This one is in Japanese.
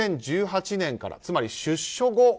２０１８年から、つまり出所後。